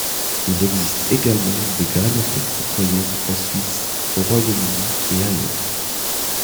Il existe également des grainothèques citoyennes en Suisse, au Royaume-Uni et ailleurs.